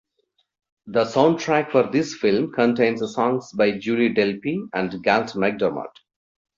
The soundtrack for this film contains songs by Julie Delpy and Galt MacDermot.